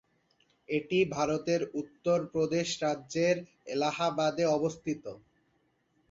এটি ভারতের উত্তর প্রদেশ রাজ্যের এলাহাবাদে অবস্থিত।